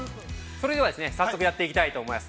◆それでは、早速やっていきたいと思います。